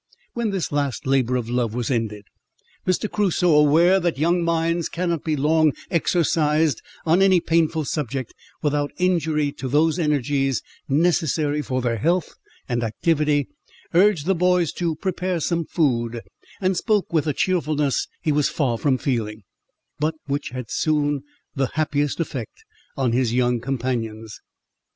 When this last "labour of love" was ended, Mr. Crusoe, aware that young minds cannot be long exercised on any painful subject without injury to those energies necessary for their health and activity, urged the boys to prepare some food, and spoke with a cheerfulness he was far from feeling, but which had soon the happiest effect on his young companions.